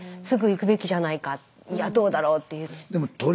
すぐ行くべきじゃないかいやどうだろうっていう。